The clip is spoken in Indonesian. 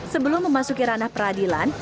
sebelum memasuki ranah peradilan